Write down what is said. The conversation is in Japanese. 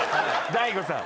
大悟さん。